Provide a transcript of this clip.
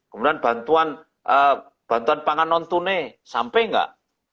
kemudian bantuan pangan non tunai sampai nggak